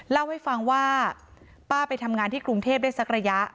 เล่าให้ฟังว่าป้าไปทำงานที่กรุงเทพได้สักระยะ